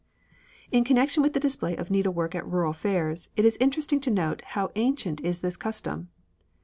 In connection with the display of needlework at rural fairs, it is interesting to note how ancient is this custom.